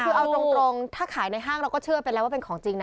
คือเอาตรงถ้าขายในห้างเราก็เชื่อไปแล้วว่าเป็นของจริงนะ